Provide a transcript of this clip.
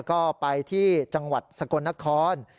ก็ไปที่จังหวัดสกลนคร